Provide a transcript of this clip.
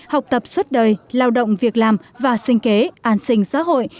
học tập suốt đời lao động việc làm và sinh kế an sinh xã hội